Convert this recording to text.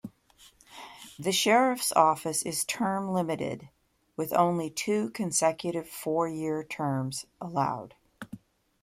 The Sheriff's office is term limited with only two consecutive four year terms allowed.